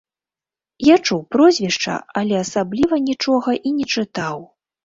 Я чуў прозвішча, але асабліва нічога і не чытаў.